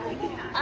あ？